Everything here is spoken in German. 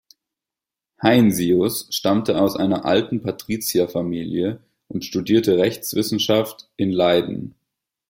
Heinsius stammte aus einer alten Patrizierfamilie und studierte Rechtswissenschaft in Leiden.